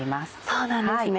そうなんですね